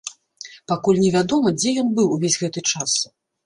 Пакуль невядома, дзе ён быў увесь гэты час.